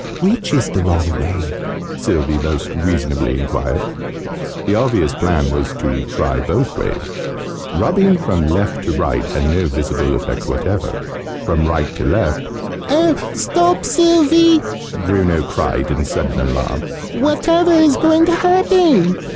"Which is the wrong way?", Sylvie most reasonably enquired. The obvious plan was to try both ways. Rubbing from left to right had no visible effect whatever. From right to left "Oh, stop, Sylvie!" Bruno cried in sudden alarm. "Whatever is going to happen?"